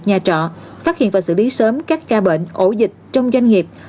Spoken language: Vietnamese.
nhà trọ phát hiện và xử lý sớm các ca bệnh ổ dịch trong doanh nghiệp